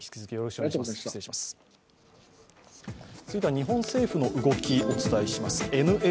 続いては日本政府の動きをお伝えします。